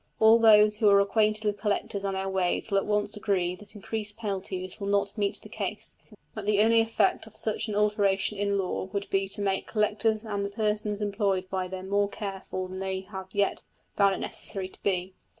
All those who are acquainted with collectors and their ways will at once agree that increased penalties will not meet the case; that the only effect of such an alteration in the law would be to make collectors and the persons employed by them more careful than they have yet found it necessary to be.